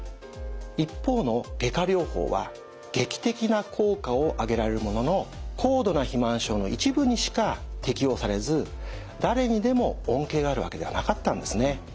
一方の外科療法は劇的な効果を上げられるものの高度な肥満症の一部にしか適用されず誰にでも恩恵があるわけではなかったんですね。